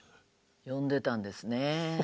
呼んでたんですね。